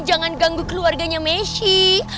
jangan ganggu keluarganya meshi